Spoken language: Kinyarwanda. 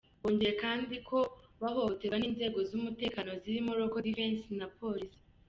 Bongeyeho kandi ko bahohoterwa n’inzego z’umutekano zirimo Local Defense na Polisi.